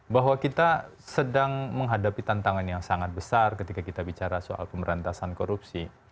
bahwa kita sedang menghadapi tantangan yang sangat besar ketika kita bicara soal pemberantasan korupsi